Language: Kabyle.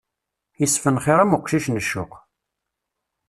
Isfenxiṛ am uqcic n ccuq.